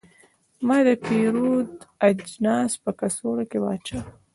ما د پیرود اجناس په کڅوړه کې واچول.